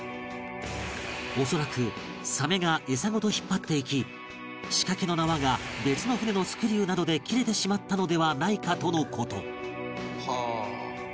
恐らくサメが餌ごと引っ張っていき仕掛けの縄が別の船のスクリューなどで切れてしまったのではないかとの事